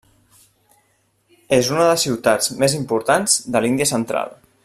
És una de les ciutats més importants de l'Índia central.